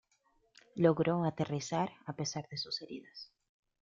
Logró aterrizar a pesar de sus heridas.